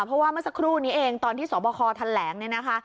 เพราะเมื่อสักครู่นี้เองตอนที่สวพคอร์ทันแหลง